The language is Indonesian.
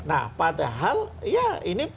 nah padahal ya ini